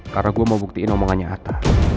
karena gue mau buktiin omongannya atta